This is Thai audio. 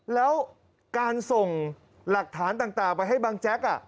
แล้วการส่งหลักฐานต่างไปให้บังแจ๊ก